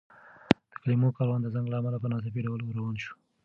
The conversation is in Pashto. د کلمو کاروان د زنګ له امله په ناڅاپي ډول وران شو.